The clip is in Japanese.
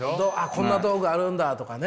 こんな道具あるんだとかね。